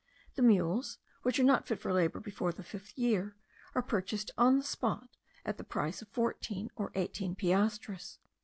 The mules, which are not fit for labour before the fifth year, are purchased on the spot at the price of fourteen or eighteen piastres.